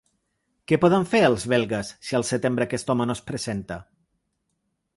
Què poden fer els belgues si al setembre aquest home no es presenta?